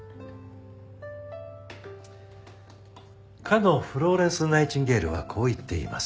かのフローレンス・ナイチンゲールはこう言っています。